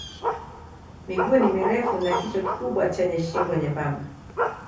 Miguu ni mirefu na kichwa kikubwa chenye shingo nyembamba.